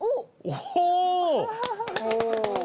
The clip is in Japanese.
お！